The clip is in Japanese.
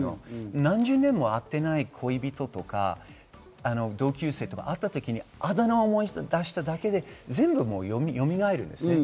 何十年も会っていない恋人とか同級生と会った時にあだ名を思い出しただけで、全部よみがえるんです。